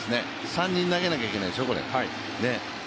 ３人投げなきゃいけないでしょう。